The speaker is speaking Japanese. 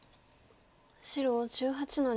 白１８の二。